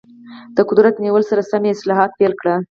د قدرت نیولو سره سم یې اصلاحات پیل کړل.